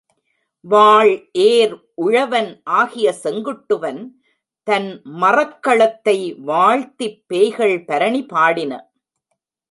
வாள்ஏர் உழவன் ஆகிய செங்குட்டுவன் தன் மறக்களத்தை வாழ்த்திப் பேய்கள் பரணி பாடின.